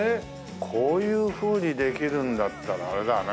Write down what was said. こういうふうにできるんだったらあれだね。